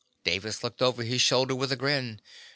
Davis looked over his shoulder with a grin.